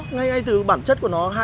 ngay từ bản chất của nó